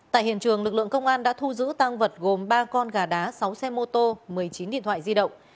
tại hiện trường lực lượng công an đã thu giữ tăng vật gồm ba con gà đá sáu xe mô tô một mươi chín điện thoại di động